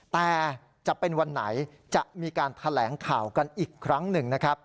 แต่จะเป็นวันไหนจะมีการแถลงข่าวกันอีกครั้งหนึ่งนะครับ